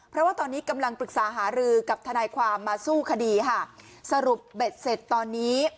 เพราะว่าตอนนี้กำลังปรึกษาหารือกับทนายความมาสู้คดีค่ะสรุปเบ็ดเสร็จตอนนี้